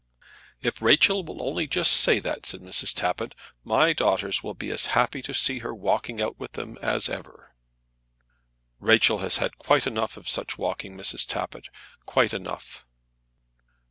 "If Rachel will only just say that," said Mrs. Tappitt, "my daughters will be as happy to see her out walking with them as ever." "Rachel has had quite enough of such walking, Mrs. Tappitt; quite enough."